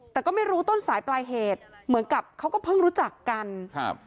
แต่ก็ไม่รู้ต้นสายปลายเหตุเหมือนกับเขาก็เพิ่งรู้จักกันครับ